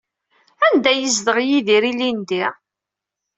Anda ay yezdeɣ Yidir ilindi?